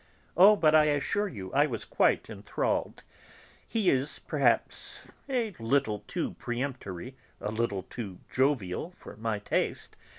"Oh, but I assure you, I was quite enthralled. He is perhaps a little too peremptory, a little too jovial for my taste.